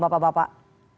selamat malam bapak bapak